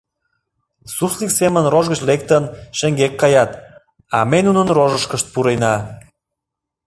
Суслик семын рож гыч лектын, шеҥгек каят, а ме нунын рожышкышт пурена...